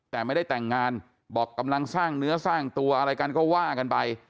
แต่ไม่ได้แต่งงานบอกกำลังสร้างเนื้อสร้างตัวอะไรกันก็ว่ากันไป